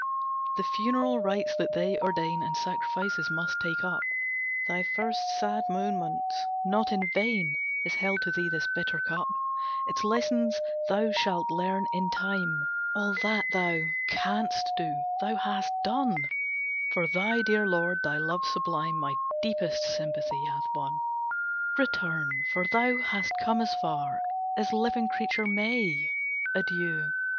"The funeral rites that they ordain And sacrifices must take up Thy first sad moments; not in vain Is held to thee this bitter cup; Its lessons thou shall learn in time! All that thou canst do, thou hast done For thy dear lord. Thy love sublime My deepest sympathy hath won. Return, for thou hast come as far As living creature may. Adieu!